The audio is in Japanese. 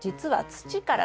土から。